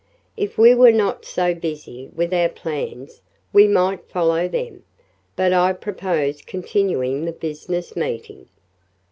"If we were not so busy with our plans we might follow them. But I propose continuing the business meeting."